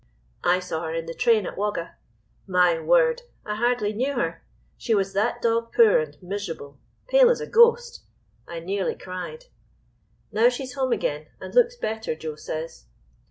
I saw her in the train at Wagga. My word! I hardly knew her. She was that dog poor and miserable, pale as a ghost, I nearly cried. Now she's home again, and looks better, Joe says.